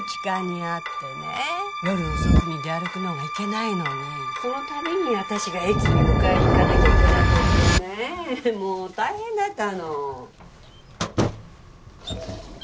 夜遅くに出歩くのがいけないのにその度に私が駅に迎えに行かなきゃいけなくてねもう大変だったの。